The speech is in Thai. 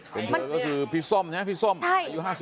เป็นเธอก็คือพี่ส้มนะพี่ส้มอายุ๕๓